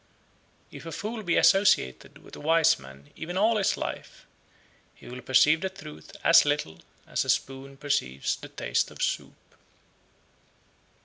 64. If a fool be associated with a wise man even all his life, he will perceive the truth as little as a spoon perceives the taste of soup.